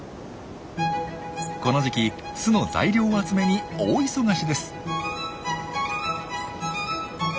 この時期巣の材料集めに大忙しです。